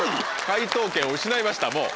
解答権を失いましたもう。